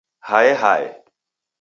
Hae hae